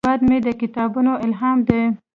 هیواد مې د کتابونو الهام دی